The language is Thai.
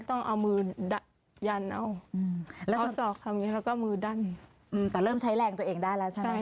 ต้องเอามือยันเอาแล้วข้อศอกคำนี้แล้วก็มือดั้นแต่เริ่มใช้แรงตัวเองได้แล้วใช่ไหม